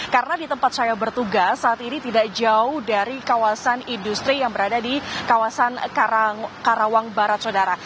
karena di tempat saya bertugas saat ini tidak jauh dari kawasan industri yang berada di kawasan karawang barat saudara